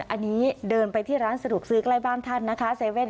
อันนี้เดินไปที่ร้านสะดวกซื้อใกล้บ้านท่านนะคะ